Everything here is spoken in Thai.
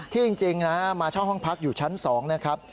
จริงนะมาเช่าห้องพักอยู่ชั้น๒นะครับ